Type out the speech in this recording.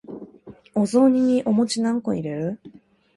お雑煮にお餅何個入れる？